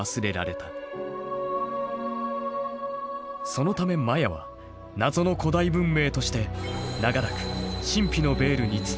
そのためマヤは「謎の古代文明」として長らく神秘のベールにつつまれてきた。